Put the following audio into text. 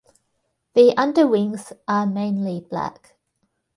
The underwings are mainly black.